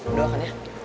udah makan ya